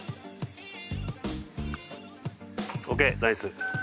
ＯＫナイス。